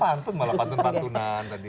pantun malah pantun pantunan tadi